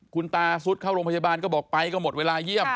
คุณตาซุดเข้าโรงพยาบาลก็บอกไปก็หมดเวลาเยี่ยม